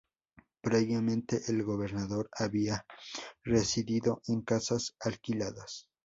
Previamente el gobernador había residido en casas alquiladas.